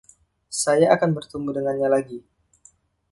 Saya akan bertemu dengannya lagi!